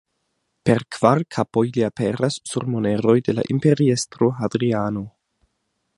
Per kvar kapoj li aperas sur moneroj de la imperiestro Hadriano.